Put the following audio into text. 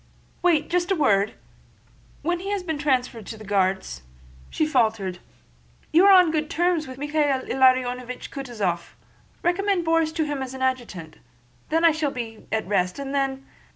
"Wait—just a word! When he has been transferred to the Guards..." she faltered. "You are on good terms with Michael Ilariónovich Kutúzov ... recommend Borís to him as adjutant! Then I shall be at rest, and then..."